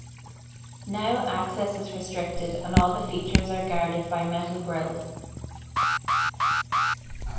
Now, access is restricted, and all the features are guarded by metal grilles.